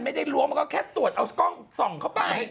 ล้วงมันก็แค่ตรวจเอากล้องส่องเข้าไป